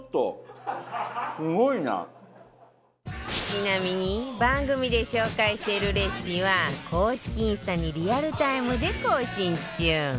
ちなみに番組で紹介しているレシピは公式インスタにリアルタイムで更新中